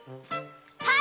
はい！